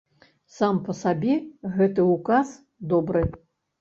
Сам па сабе гэты ўказ добры.